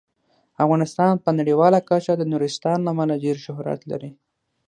افغانستان په نړیواله کچه د نورستان له امله ډیر شهرت لري.